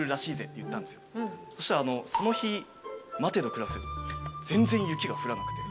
そしたらその日待てど暮らせど全然雪が降らなくて。